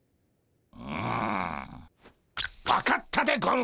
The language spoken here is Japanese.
ん分かったでゴンス！